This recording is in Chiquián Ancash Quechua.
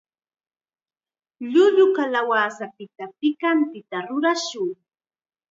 Llullu kalawasapita pikantita rurayanqa.